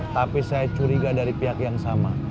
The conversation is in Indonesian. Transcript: tapi saya curiga dari pihak yang sama